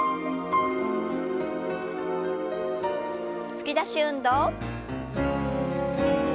突き出し運動。